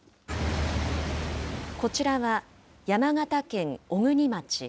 こちらは山形県小国町。